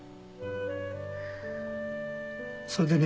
それでね